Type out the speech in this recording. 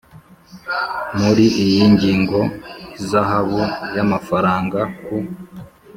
muri iyi ngingo ihazabu y amafaranga ku